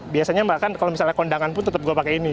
biasanya mbak kan kalau misalnya kondangan pun tetap gue pakai ini